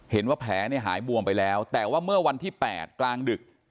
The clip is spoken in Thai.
เห็นว่าแผลหายบวมไปแล้วแต่ว่าเมื่อวันที่๘กลางดึก